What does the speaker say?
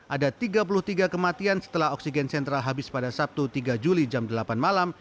ada tiga puluh tiga kematian setelah oksigen sentral habis pada sabtu tiga juli jam delapan malam